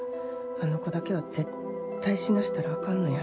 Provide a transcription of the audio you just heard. あの子だけは絶対死なせたらあかんのや。